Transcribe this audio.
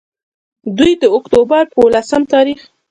دوي د اکتوبر پۀ ولسم تاريخ